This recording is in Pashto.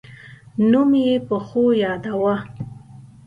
نوم یې په ښو یاداوه.